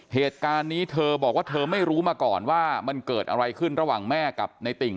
เหตุการณ์นี้เธอบอกว่าเธอไม่รู้มาก่อนว่ามันเกิดอะไรขึ้นระหว่างแม่กับในติ่ง